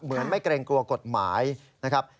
เหมือนไม่เกรงกลัวกฎหมายนะครับ